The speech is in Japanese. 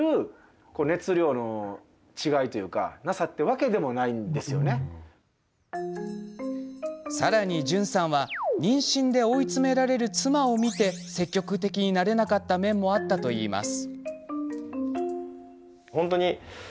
けど、そもそもさらに、じゅんさんは妊活で追い詰められる妻を見て積極的になれなかった面もあったといいます。